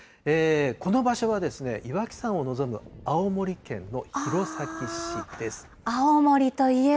この場所は、岩木山を望む青森県の弘前市です。